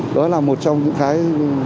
đó là một trong những cái